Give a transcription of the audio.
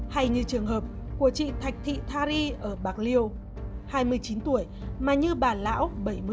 hay như trường hợp của chị thạch thị tha ri ở bạc liêu hai mươi chín tuổi mà như bà lão bảy mươi